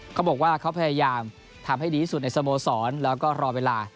เขาบอกว่าเขาพยายามทำให้ดีที่สุดในสโมสรแล้วก็รอเวลา